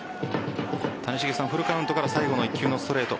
フルカウントから最後の１球のストレート